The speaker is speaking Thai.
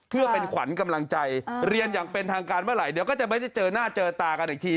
เพื่อเป็นขวัญกำลังใจเรียนอย่างเป็นทางการเมื่อไหร่เดี๋ยวก็จะไม่ได้เจอหน้าเจอตากันอีกที